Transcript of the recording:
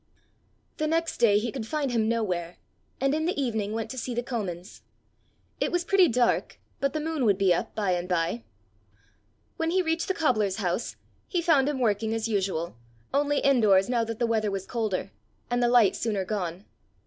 The next day he could find him nowhere, and in the evening went to see the Comins. It was pretty dark, but the moon would be up by and by. When he reached the cobbler's house, he found him working as usual, only in doors now that the weather was colder, and the light sooner gone.